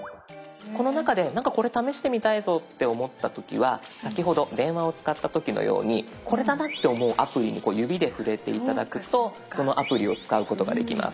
この中でなんかこれ試してみたいぞって思った時は先ほど電話を使った時のようにこれだなって思うアプリに指で触れて頂くとそのアプリを使うことができます。